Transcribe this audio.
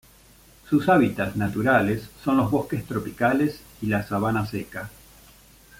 Sus hábitats naturales son los bosques tropicales y la sabana seca.